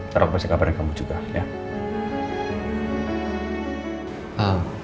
taruh kebiasaan kabarnya kamu juga ya